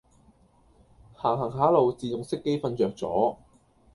行行下路自動熄機瞓著咗